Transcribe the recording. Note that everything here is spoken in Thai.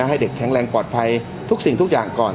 ให้เด็กแข็งแรงปลอดภัยทุกสิ่งทุกอย่างก่อน